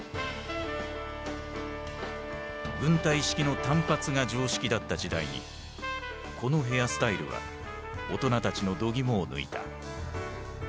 軍隊式の短髪が常識だった時代にこのヘアスタイルは大人たちのどぎもを抜いた。